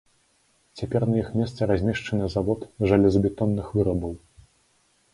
Цяпер на іх месцы размешчаны завод жалезабетонных вырабаў.